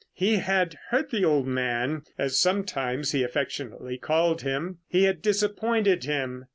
He had hurt the old man, as sometimes he affectionately called him. He had disappointed him.